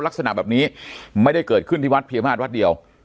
ลักษณะแบบนี้ไม่ได้เกิดขึ้นที่วัดเพียมาตรวัดเดียว